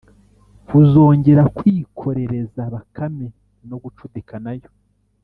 kuzongera kwikorereza Bakame no gucudika na yo